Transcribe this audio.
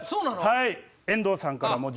はい。